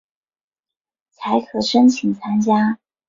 才可申请参加